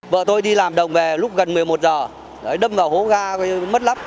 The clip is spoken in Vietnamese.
vợ tôi đi làm đồng về lúc gần một mươi một giờ đâm vào hố ga mất lắp